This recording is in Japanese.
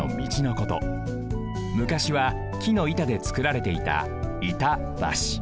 むかしはきの板でつくられていた板橋。